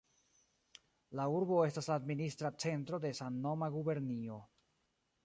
La urbo estas la administra centro de samnoma gubernio.